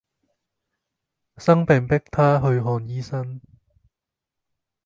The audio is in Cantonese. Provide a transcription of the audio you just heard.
生病迫她去看醫生